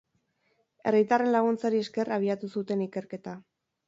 Herritarren laguntzari esker abiatu zuten ikerketa.